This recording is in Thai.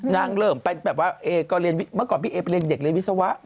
นางเริ่มเป็นแบบว่าเมื่อก่อนพี่เอไปเรียนเด็กเรียนวิศวะ